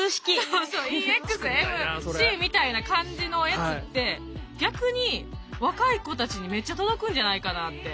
そうそうＥｘｍｃみたいな感じのやつって逆に若い子たちにめっちゃ届くんじゃないかなって。